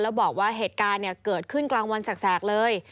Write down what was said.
แล้วบอกว่าเหตุการณ์เกิดขึ้นกลางวันแสกเลย